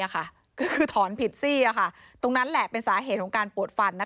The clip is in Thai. ก็คือถอนผิดซี่ตรงนั้นแหละเป็นสาเหตุของการปวดฟัน